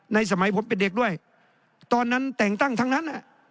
สมัยผมเป็นเด็กด้วยตอนนั้นแต่งตั้งทั้งนั้น